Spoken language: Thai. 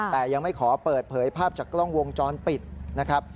แต่ยังไม่ขอเปิดเผยภาพจากกล้องวงจรปิดนะครับ